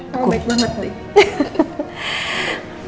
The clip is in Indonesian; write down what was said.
kamu baik banget nih